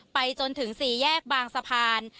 ไปจนถึง๔แยกบางสะพาน